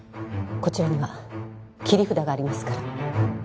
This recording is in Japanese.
こちらには切り札がありますから。